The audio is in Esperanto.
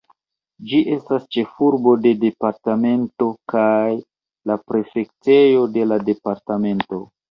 Ĝi estas ĉefurbo de departemento kaj la prefektejo de la departemento.